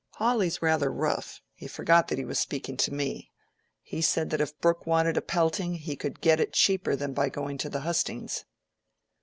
Hawley's rather rough: he forgot that he was speaking to me. He said if Brooke wanted a pelting, he could get it cheaper than by going to the hustings."